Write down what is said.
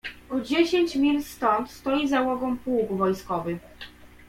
"O dziesięć mil stąd stoi załogą pułk wojskowy."